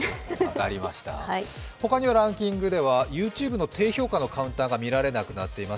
ほかにランキングではＹｏｕＴｕｂｅの低評価のカウンターが見られなくなっています。